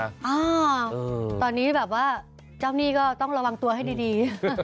ตอนเนี้ยเป็นรู้จักว่าเจ้านี่ก็ต้องระวังตัวให้ดี